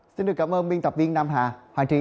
xin được cảm ơn biên tập viên nam hà hoàng trí